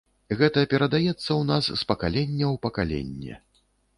Гэта перадаецца ў нас з пакалення ў пакаленне!